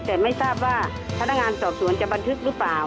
แต่ไม่ทราบว่าพนักงานสอบสวนจะบันทึกหรือเปล่า